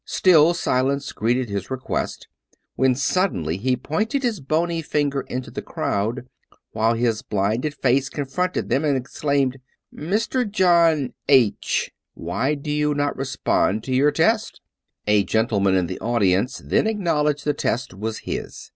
Still silence greeted his request; when sud denly he pointed his bony finger into the crowd, while his blinded face confroirted them, and exclaimed: "Mr. John 262 David P. Abbott H , why do you not respond to your test? " A gentle man in the audience then acknowledged the test as his.